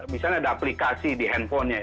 misalnya ada aplikasi di handphonenya